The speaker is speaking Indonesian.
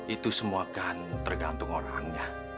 itu semua kan tergantung orangnya